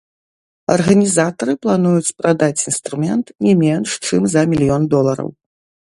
Арганізатары плануюць прадаць інструмент не менш чым за мільён долараў.